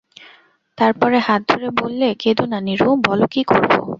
তার পরে হাত ধরে বললে, কেঁদো না নীরু, বলো কী করব।